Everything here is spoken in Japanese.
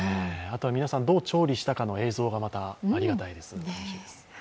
あとは皆さん、どう調理したかの映像がありがたいです。